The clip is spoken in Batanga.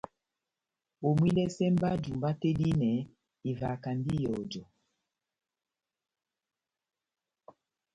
Homwidɛsɛ mba jumba tɛ́h dihinɛ ivahakandi ihɔjɔ.